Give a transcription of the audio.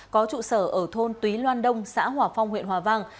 có trụ sở ở thôn túy loan đông xã hòa phong huyện hòa vang